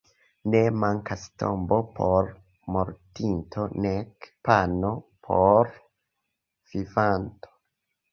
Ne mankas tombo por mortinto nek pano por vivanto.